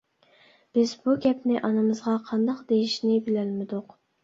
بىز بۇ گەپنى ئانىمىزغا قانداق دېيىشنى بىلەلمىدۇق.